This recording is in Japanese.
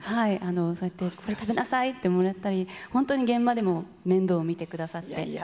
そうやって、これ食べなさいって、もらったり、本当に現場でも面倒を見てくださって。